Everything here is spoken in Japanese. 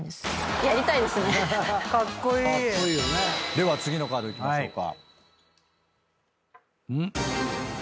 では次のカードいきましょうか。